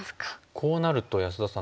こうなると安田さん